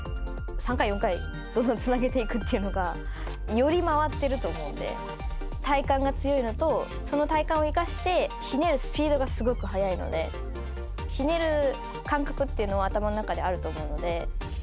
３回、４回、どんどんつなげていくっていうのが、より回ってると思うんで、体幹が強いのと、その体幹を生かして、ひねるスピードがすごく速いので、ひねる感覚っていうのが頭の中であると思うので。